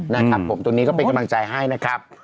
นะครับผมตรงนี้ก็เป็นกำลังใจให้นะครับ